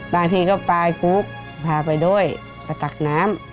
บางทีก็ปลายฟุ๊กพาไปด้วยไปตักน้ำ